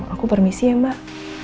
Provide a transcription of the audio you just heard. aku permisi ya mbak